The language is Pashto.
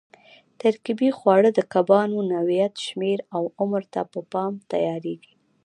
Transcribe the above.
ترکیبي خواړه د کبانو نوعیت، شمېر او عمر ته په پام تیارېږي.